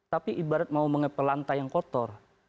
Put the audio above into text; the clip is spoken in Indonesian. tapi ibarat mau mengepel lantai yang kotor